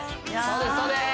そうです